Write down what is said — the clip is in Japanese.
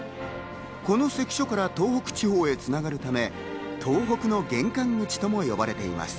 この関所から東北地方へ繋がるため、東北の玄関口とも呼ばれています。